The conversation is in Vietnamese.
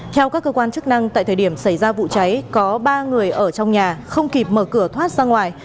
theo các cơ quan chức năng tại thời điểm xảy ra vụ cháy có ba người ở trong nhà không kịp mở cửa thoát ra ngoài